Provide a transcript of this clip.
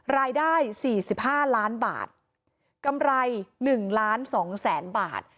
รายได้สี่สิบห้าร้านบาทกำไรหนึ่งล้านสองแสนบาท